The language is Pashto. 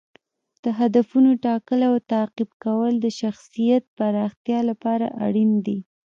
د هدفونو ټاکل او تعقیب کول د شخصیت پراختیا لپاره اړین دي.